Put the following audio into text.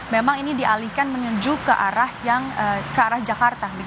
memang ini dialihkan menuju ke arah jakarta